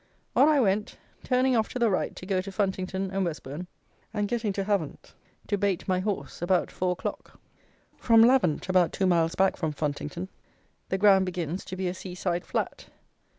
On I went, turning off to the right to go to Funtington and Westbourn, and getting to Havant to bait my horse, about four o'clock. From Lavant (about two miles back from Funtington) the ground begins to be a sea side flat.